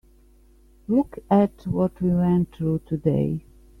Look at what we went through today.